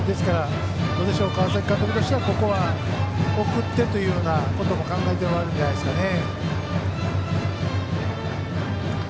川崎監督としては、ここは送ってというようなことも考えているんじゃないですかね。